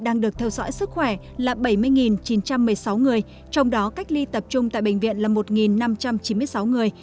đang được theo dõi sức khỏe là bảy mươi chín trăm một mươi sáu người trong đó cách ly tập trung tại bệnh viện là một năm trăm chín mươi sáu người